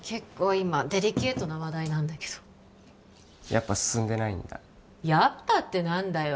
今デリケートな話題なんだけどやっぱ進んでないんだ「やっぱ」って何だよ